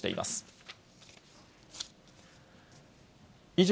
以上、